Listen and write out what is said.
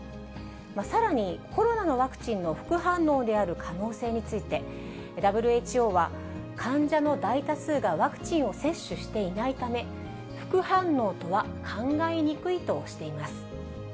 さらにコロナのワクチンの副反応である可能性について、ＷＨＯは、患者の大多数がワクチンを接種していないため、副反応とは考えにくいとしています。